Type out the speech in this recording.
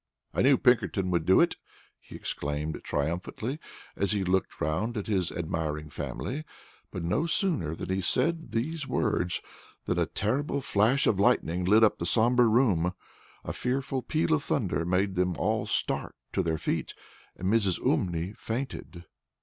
"I knew Pinkerton would do it," he exclaimed, triumphantly, as he looked round at his admiring family; but no sooner had he said these words than a terrible flash of lightning lit up the somber room, a fearful peal of thunder made them all start to their feet, and Mrs. Umney fainted.